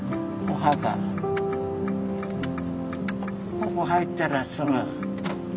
ここ入ったらすぐ。